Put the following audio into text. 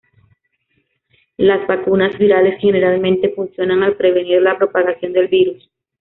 Las vacunas virales generalmente funcionan al prevenir la propagación del virus.